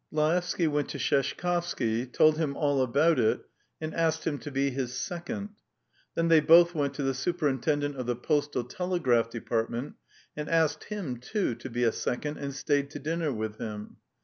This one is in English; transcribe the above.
Laevsky went to Sheshkovsky, told him all about it, and asked him to be his second; then they both went to the superintendent of the postal telegraph department, and asked him, too, to be a second, and stayed to dinner with him.